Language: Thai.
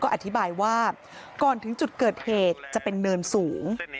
อธิบายว่าก่อนถึงจุดเกิดเหตุจะเป็นเนินสูง